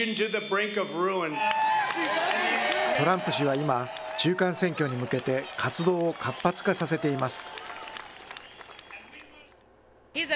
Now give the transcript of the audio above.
今、中間選挙に向けて活動を活発化させています。